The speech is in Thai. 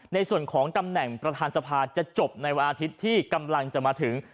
ในส่วนของตำแหน่งประธานสภาจะจบในวันอาทิตย์ที่กำลังจะมาถึง